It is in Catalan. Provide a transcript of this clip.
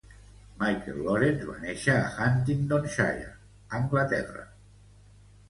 Michael Lawrence va néixer a Huntingdonshire, Anglaterra.